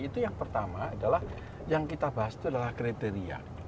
itu yang pertama adalah yang kita bahas itu adalah kriteria